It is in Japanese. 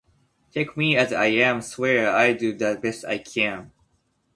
Take me as I am swear I'll do the best I can